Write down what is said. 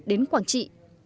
đến quảng trị